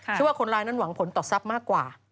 ชื่อว่าคนร้ายนั้นหวังผลต่อทรัพย์มากกว่า